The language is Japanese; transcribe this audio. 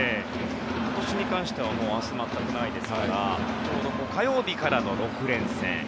今年に関しては明日、全くないですからちょうど火曜日からの６連戦。